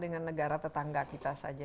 dengan negara tetangga kita saja